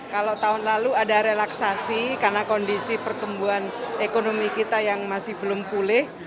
kalau tahun lalu ada relaksasi karena kondisi pertumbuhan ekonomi kita yang masih belum pulih